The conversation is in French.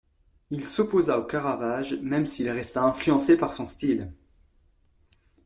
Il s'opposa au Caravage, même s'il resta influencé par son style.